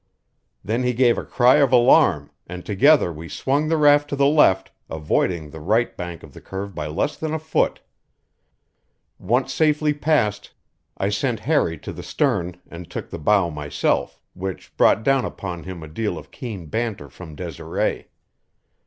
Then he gave a cry of alarm, and together we swung the raft to the left, avoiding the right bank of the curve by less than a foot. Once safely past, I sent Harry to the stern and took the bow myself, which brought down upon him a deal of keen banter from Desiree.